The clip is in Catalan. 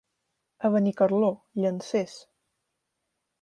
A Benicarló, llancers.